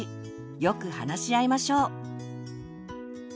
よく話し合いましょう。